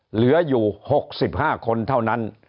เหลืออยู่๖๕คนเท่านั้น